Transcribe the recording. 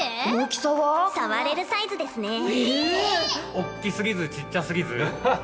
おっきすぎずちっちゃすぎず。